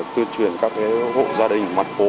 tuyên truyền các hộ gia đình mặt phố